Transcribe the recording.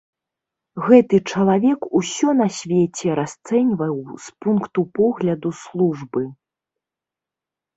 Гэты чалавек усё на свеце расцэньваў з пункту погляду службы.